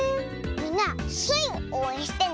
みんなスイをおうえんしてね！